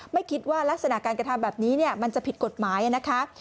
ไม่คิดว่ารักษณะการกระทำแบบนี้มันจะผิดกฎหมายนะคะ